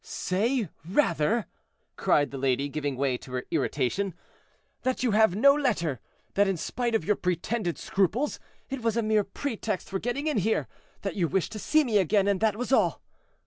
"Say, rather," cried the lady, giving way to her irritation, "that you have no letter; that, in spite of your pretended scruples, it was a mere pretext for getting in here; that you wished to see me again, and that was all.